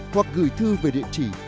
hoặc gửi thư về địa chỉ